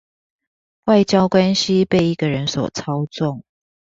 外交關係被一個人所操縱